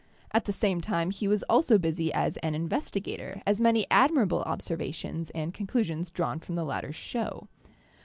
At the same time he was also busy as an investigator, as many admirable observations and conclusions drawn from the latter show.